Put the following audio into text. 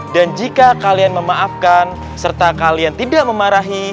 dan jika kalian memaafkan serta kalian tidak memarahi